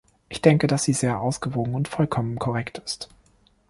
Ich denke, dass sie sehr ausgewogen und vollkommen korrekt ist.